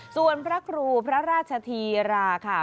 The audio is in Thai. ส่วนพระครูพระราชธีราค่ะ